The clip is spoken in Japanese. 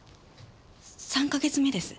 ３か月目です。